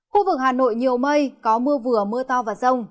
khu vực hà nội nhiều mây có mưa vừa mưa to và rông